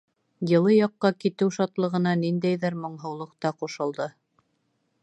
Йылы яҡҡа китеү шатлығына ниндәйҙер моңһоулыҡ та ҡушылды.